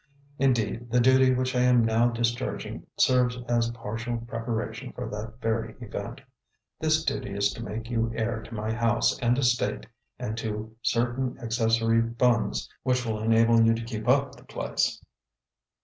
Indeed, the duty which I am now discharging serves as partial preparation for that very event. This duty is to make you heir to my house and estate and to certain accessory funds which will enable you to keep up the place.